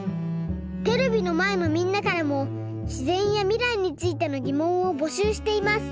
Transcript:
テレビのまえのみんなからもしぜんやみらいについてのぎもんをぼしゅうしています。